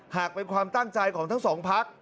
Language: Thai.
หากเป็นความตั้งใจของทั้งสองพัก